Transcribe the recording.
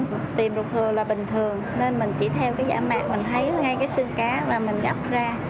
tìm ruột thừa là bình thường nên mình chỉ theo cái dã mạc mình thấy ngay cái xương cá là mình gặp ra